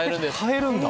買えるんだ。